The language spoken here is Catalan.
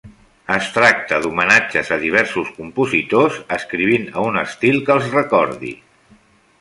Es tracta d'homenatges a diversos compositors escrivint a un estil que els recordi.